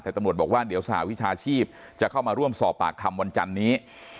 แต่ตำรวจบอกว่าเดี๋ยวสหวิชาชีพจะเข้ามาร่วมสอบปากคำวันจันนี้